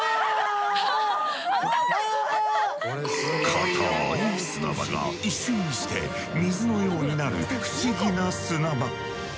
固い砂場が一瞬にして水のようになる不思議な砂場。